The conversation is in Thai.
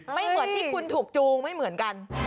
เหมือนที่คุณถูกจูงไม่เหมือนกัน